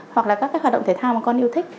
hoặc là các cái hoạt động thể thao mà con yêu thích